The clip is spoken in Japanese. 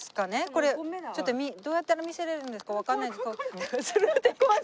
これちょっとどうやったら見せられるんですかわかんないですけど。